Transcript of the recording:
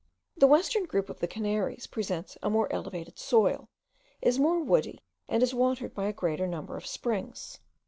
The western group of the Canaries presents a more elevated soil, is more woody, and is watered by a greater number of springs.